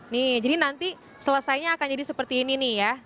nih jadi nanti selesainya akan jadi seperti ini nih ya